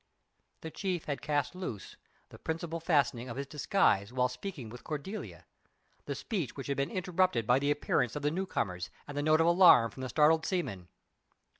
The chief had cast loose the principal fastening of his disguise while speaking with Cordelia the speech which had been interrupted by the appearance of the new comers and the note of alarm from the startled seamen.